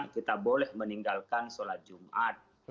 kita boleh meninggalkan sholat jumat